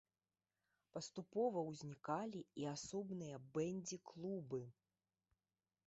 Паступова ўзнікалі і асобныя бэндзі-клубы.